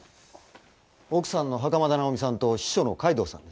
奥さんの袴田直美さんと秘書の海藤さんです。